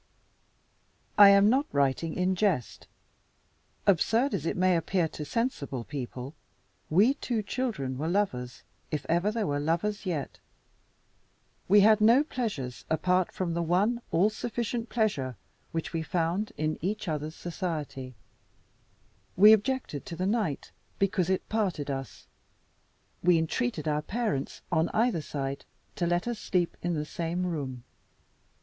I am not writing in jest. Absurd as it may appear to "sensible people," we two children were lovers, if ever there were lovers yet. We had no pleasures apart from the one all sufficient pleasure which we found in each other's society. We objected to the night, because it parted us. We entreated our parents, on either side, to let us sleep in the same room.